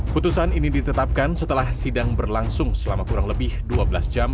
putusan ini ditetapkan setelah sidang berlangsung selama kurang lebih dua belas jam